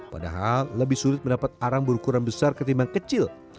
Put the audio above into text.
padahal lebih sulit mendapat arang berukuran besar ketimbang kecil